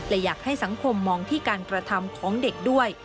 และอยากให้สังคมมองที่การกระทำของเด็กด้วย